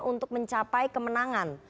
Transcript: untuk mencapai kemenangan